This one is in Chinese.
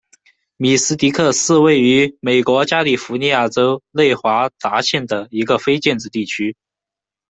米斯蒂克是位于美国加利福尼亚州内华达县的一个非建制地区。